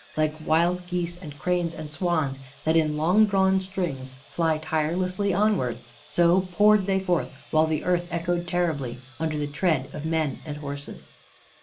Like wild geese and cranes and swans that in long drawn strings fly tirelessly onward, so poured they forth, while the earth echoed terribly under the tread of men and horses.